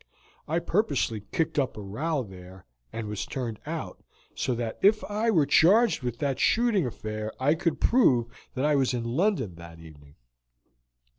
I purposely kicked up a row there, and was turned out, so that if I were charged with that shooting affair I could prove that I was in London that evening."